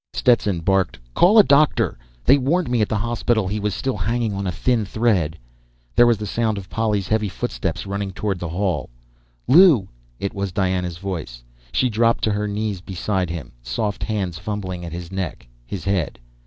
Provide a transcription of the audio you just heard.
Stetson barked: "Call a doctor! They warned me at the hospital he was still hanging on a thin thread!" There was the sound of Polly's heavy footsteps running toward the hall. "Lew!" It was Diana's voice. She dropped to her knees beside him, soft hands fumbling at his neck, his head.